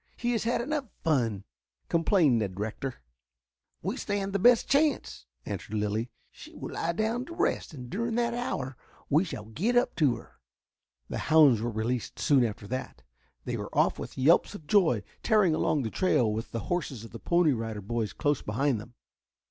He has had enough fun," complained Ned Rector. "We stand the best chance," answered Lilly. "She will lie down to rest, and during that hour we shall get up to her." The hounds were released soon after that. They were off with yelps of joy, tearing along the trail with the horses of the Pony Riders close behind them.